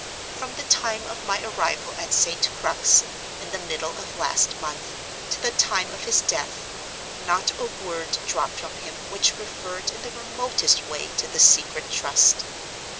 From the time of my arrival at St. Crux, in the middle of last month, to the time of his death, not a word dropped from him which referred in the remotest way to the Secret Trust.